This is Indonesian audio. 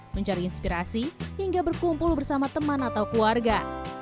mencari inspirasi hingga berkumpul bersama teman atau keluarga